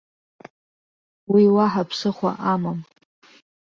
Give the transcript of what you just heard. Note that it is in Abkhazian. Уи уаҳа ԥсыхәа амам.